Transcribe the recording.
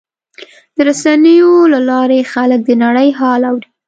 د رسنیو له لارې خلک د نړۍ حال اوري.